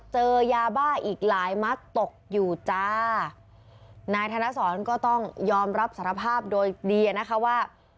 เจอยาบ้าอีกหลายมัดตกอยู่จ้านายธนสรก็ต้องยอมรับสารภาพโดยดีอ่ะนะคะว่า